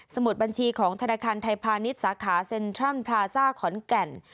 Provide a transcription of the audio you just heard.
มุดบัญชีของธนาคารไทยพาณิชย์สาขาเซ็นทรัลพลาซ่าขอนแก่น